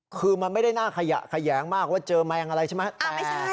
คือมันไม่ได้น่าขยะแขยงมากว่าเจอแมงอะไรใช่ไหม